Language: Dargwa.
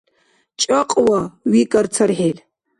— ЧӀакьва, — викӀар цархӀил.